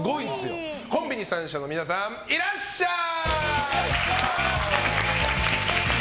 コンビニ３社の皆さんいらっしゃい！